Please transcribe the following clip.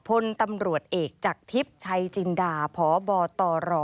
พลตำรวจเอกจากทิพย์ชัยจินดาพบตร